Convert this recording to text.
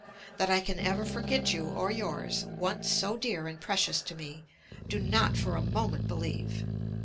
That I can ever forget you or yours, once so dear and precious to me, do not for a moment believe.